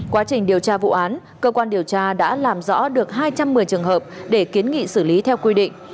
quá trình điều tra vụ án cơ quan điều tra đã làm rõ được hai trăm một mươi trường hợp để kiến nghị xử lý theo quy định